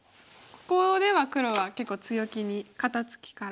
ここでは黒は結構強気に肩ツキから。